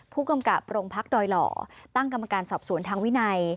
ผู้กำกับโรงพักดอยหล่อตั้งกรรมการสอบสวนทางวินัย